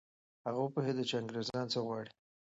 هغه پوهېده چي انګریزان څه غواړي.